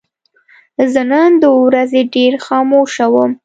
زه نن د ورځې ډېر خاموشه وم.